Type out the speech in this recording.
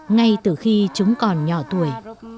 ngay từ khi chúng còn nhỏ tuổi